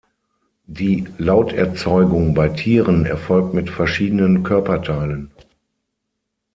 Die Lauterzeugung bei Tieren erfolgt mit verschiedenen Körperteilen.